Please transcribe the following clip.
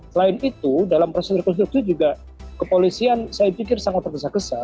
selain itu dalam proses rekonstruksi juga kepolisian saya pikir sangat tergesa gesa